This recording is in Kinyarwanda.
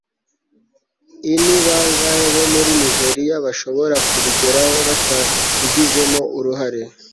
ini bangahe bo muri nigeriya bashobora kubigeraho batabigizemo uruhare